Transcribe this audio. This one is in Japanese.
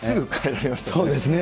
そうですね。